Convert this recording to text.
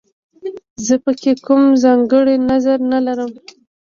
زه په کې کوم ځانګړی نظر نه لرم